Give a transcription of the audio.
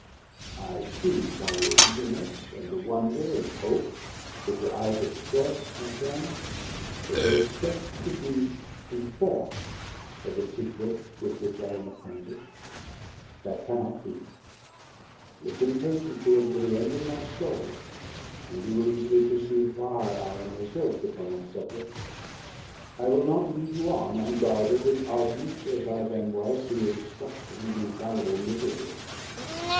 I see by your eagerness, and the wonder and hope which your eyes express, my friend, that you expect to be informed of the secret with which I am acquainted; that cannot be: listen patiently until the end of my story, and you will easily perceive why I am reserved upon that subject. I will not lead you on, unguarded and ardent as I then was, to your destruction and infallible misery.